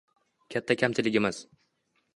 Katta kamchiligimiz